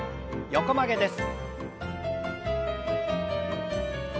横曲げです。